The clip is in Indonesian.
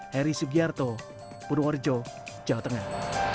heri sugiarto purworejo jawa tengah